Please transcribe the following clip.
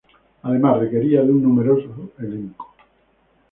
Además requería de un numeroso elenco.